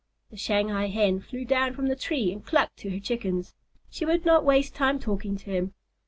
The Shanghai Hen flew down from the tree and clucked to her Chickens. She would not waste time talking to him.